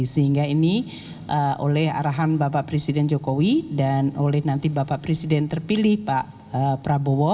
sehingga ini oleh arahan bapak presiden jokowi dan oleh nanti bapak presiden terpilih pak prabowo